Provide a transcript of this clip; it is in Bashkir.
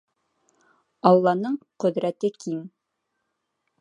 Алланың ҡөҙрәте киң.